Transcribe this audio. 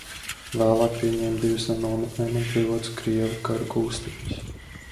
Vēlāk pieņēmu divus no nometnēm atbrīvotus krievu kara gūstekņus.